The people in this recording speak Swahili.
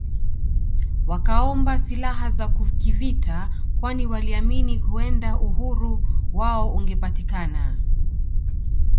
Wakaomba silaha za kivita kwani waliamini huenda uhuru wao ungepatikana